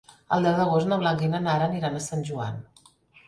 El deu d'agost na Blanca i na Nara aniran a Sant Joan.